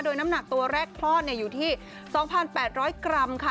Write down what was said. โดยน้ำหนักตัวแรกคลอดอยู่ที่๒๘๐๐กรัมค่ะ